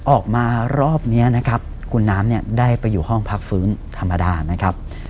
ออกมารอบนี้นะครับคุณน้ำเนี่ยได้ไปอยู่ห้องพักฟื้นธรรมดานะครับ